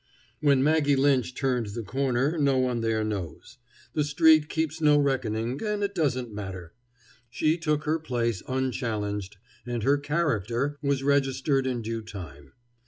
When Maggie Lynch turned the corner no one there knows. The street keeps no reckoning, and it doesn't matter. She took her place unchallenged, and her "character" was registered in due time.